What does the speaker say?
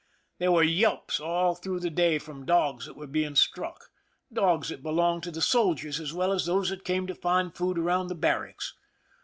There were yelps all through the day from dogs that were being struck— dogs that belonged to the soldiers as well as those that came to find food around the barracks.